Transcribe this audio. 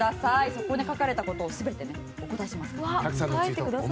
そこに書かれたことを全てお答えします。